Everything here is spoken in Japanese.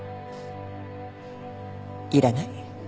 いらない。